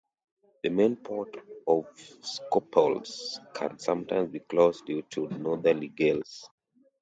The main port of Skopelos can sometimes be closed due to northerly gales.